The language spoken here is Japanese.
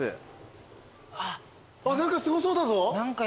何かすごそうだぞ。